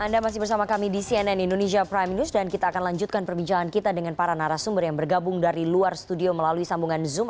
anda masih bersama kami di cnn indonesia prime news dan kita akan lanjutkan perbincangan kita dengan para narasumber yang bergabung dari luar studio melalui sambungan zoom